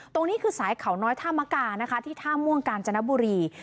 ตรงนี้คือสายเขาน้อยท่ามกานะคะที่ท่าม่วงกาญจนบุรี